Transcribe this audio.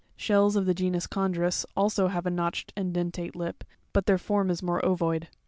Shells of the genus Chondrus also pig. 94, have a notched and dentate lip; but PUPA. their form is more ovoid.